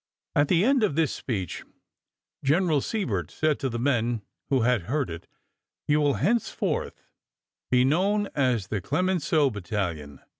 At the end of this speech General Sibert said to the men who had heard it: "You will henceforth be known as the Clemenceau Battalion."